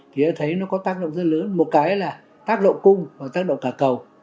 thì đã thấy nó có tác động rất lớn một cái là tác động cung và tác động cả cầu